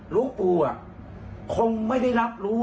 หลวงปู่คงไม่ได้รับรู้